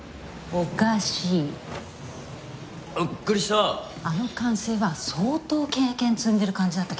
あの管制は相当経験積んでる感じだったけどね。